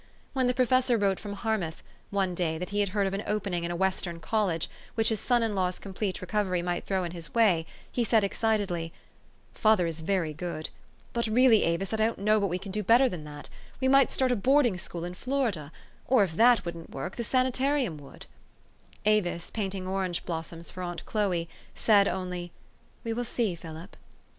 THE STORY OF AVIS. 417 When the professor wrote from Harmouth, one day, that he had heard of an opening in a Western college, which his son in law's complete recovery might throw in his way, he said excitedly, " Father is very good. But really, Avis, I don't know but we can do better than that. We might start a boarding school in Florida or, if that, wouldn't work, the sanitarium would." Avis, painting orange blossoms for aunt Chloe, said only, " We will see, Philip.